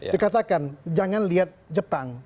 dikatakan jangan lihat jepang